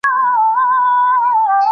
¬ خوار که خداى کړې، دا سپى نو چا کړې؟